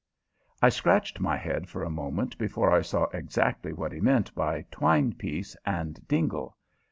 I scratched my head for a moment before I saw exactly what he meant by "twine piece" and "dingle."